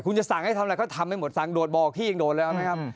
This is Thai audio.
คุณจะสั่งให้ทำอะไรก็ทำให้หมดสั่งโดดบอกพี่ยังโดดแล้วนะครับ